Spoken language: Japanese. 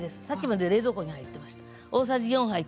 さっきまで冷蔵庫に入ってました。